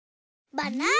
バナナ！